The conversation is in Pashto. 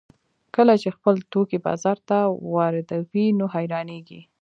کله چې خپل توکي بازار ته واردوي نو حیرانېږي